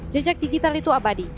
jajak digital itu apa